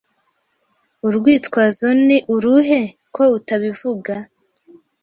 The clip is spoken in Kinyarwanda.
Urwitwazo ni uruhe?ko utabivuga